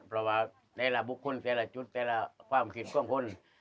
เพราะว่าในละบุคคลแต่ละจุดแต่ละความคิดของคน